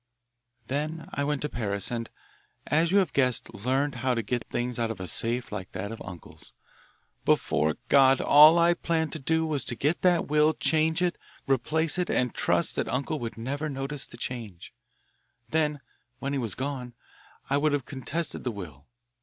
"Then I went to Paris and, as you have guessed, learned how to get things out of a safe like that of uncle's. Before God, all I planned to do was to get that will, change it, replace it, and trust that uncle would never notice the change. Then when he was gone, I would have contested the will.